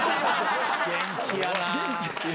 元気やな。